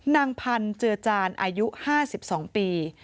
นางพันธ์เจือจานอายุ๕๒ปี